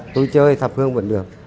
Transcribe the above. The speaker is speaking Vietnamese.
tôi chơi thập hương vẫn được